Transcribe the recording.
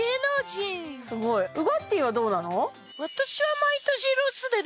すごいウガッティーはどうなの？